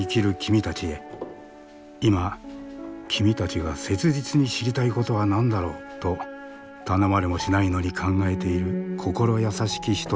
今君たちが切実に知りたいことは何だろう？と頼まれもしないのに考えている心優しき人たちがいる。